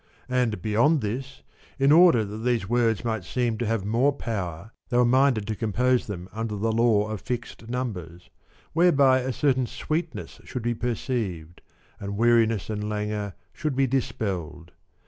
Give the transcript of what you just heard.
And beyond this, in order that these words might seem to have more power they were minded to compose them under the law of fixed numbers, whereby a certain sweetness should be perceived, and weariness and lan gour should be dispelled.